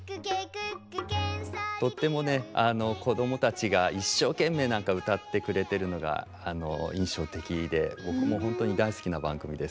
とってもね子供たちが一生懸命歌ってくれてるのが印象的で僕も本当に大好きな番組です。